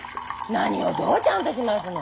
何をどうちゃんとしますの？